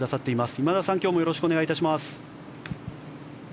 今田さん、今日もよろしくお願いいたします。